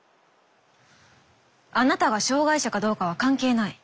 あなたが障がい者かどうかは関係ない。